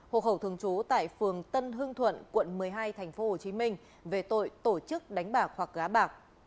hộ khẩu thường trú tại phường tân hương thuận quận một mươi hai tp hcm về tội tổ chức đánh bạc hoặc gá bạc